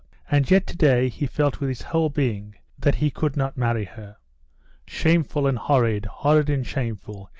And yet to day he felt with his whole being that he could not marry her. "Shameful and horrid, horrid and shameful!"